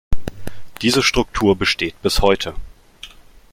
Diese Struktur besteht bis heute.